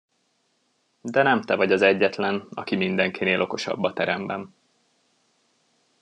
De nem te vagy az egyetlen, aki mindenkinél okosabb a teremben.